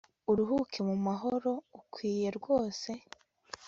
uruhuke mumahoro ukwiye rwose